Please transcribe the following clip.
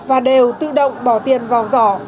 và đều tự động bỏ tiền vào giỏ